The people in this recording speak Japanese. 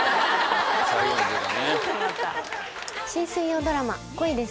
新水曜ドラマ『恋です！